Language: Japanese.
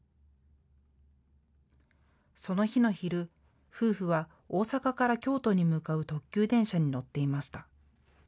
その日の昼、夫婦は大阪から京都に向かう特急電車に乗っていました。